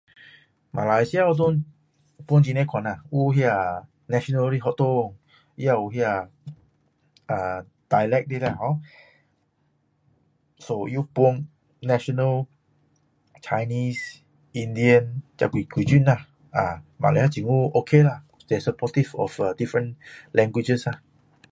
马来西亚有分很多种啦有分 national 的学校也有那个 dialect 的啦 so 它有分 national chinese Indian 这几种啦马来西亚政府 ok la their supoortive of different languages la